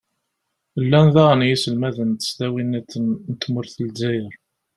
llan daɣen yiselmaden n tesdawin-nniḍen n tmurt n lezzayer.